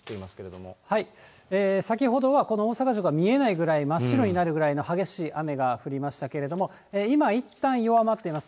先ほどはこの大阪城が見えないぐらい、真っ白になるぐらいの激しい雨が降りましたけども、今、いったん弱まっています。